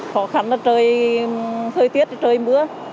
khó khăn là trời tiết trời mưa